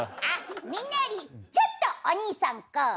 あっみんなよりちょっとお兄さんか。